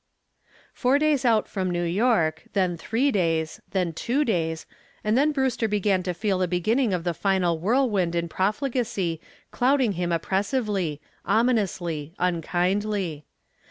Four days out from New York, then three days, then two days, and then Brewster began to feel the beginning of the final whirlwind in profligacy clouding him oppressively, ominously, unkindly.